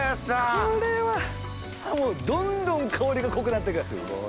これはもうどんどん香りが濃くなってく。